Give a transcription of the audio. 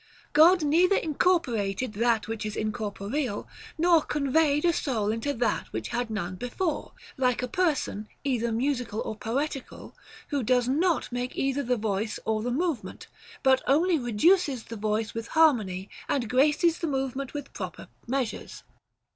God neither incorporated that which is incorporeal, nor conveyed a soul into that which had none before ; like a person either musical or poetical, who does not make either the voice or the movement, but only reduces the voice with harmony, and graces the movement with proper measures.